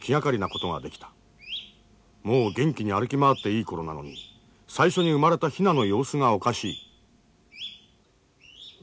もう元気に歩き回っていい頃なのに最初に生まれたヒナの様子がおかしい。